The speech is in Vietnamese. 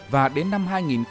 và đến năm hai nghìn bốn mươi năm